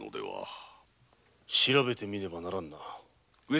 調べてみねばならぬな。